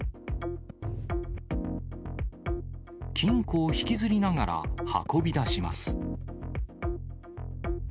金庫を引きずりながら、運び出します。